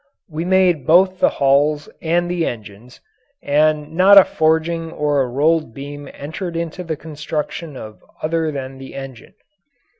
We made both the hulls and the engines, and not a forging or a rolled beam entered into the construction of other than the engine.